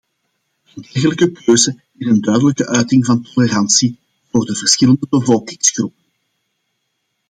Een dergelijke keuze is een duidelijke uiting van tolerantie voor de verschillende bevolkingsgroepen.